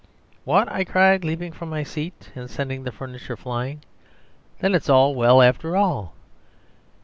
"What!" I cried, leaping from my seat, and sending the furniture flying. "Then all is well, after all!